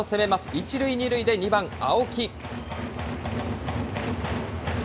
１塁２塁で２番青木。